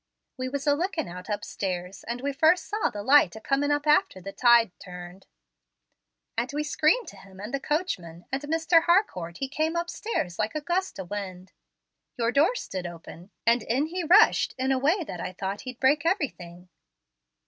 We was a lookin' out upstairs, and we first saw the light a coming up after the tide turned, and we screamed to him and the coachman, and Mr. Harcourt he came upstairs like a gust o' wind. Your door stood open, and in he rushed in a way that I thought he'd break everything."